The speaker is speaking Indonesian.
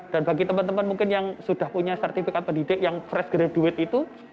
dan bagi teman teman mungkin yang sudah punya sertifikat pendidik yang fresh graduate itu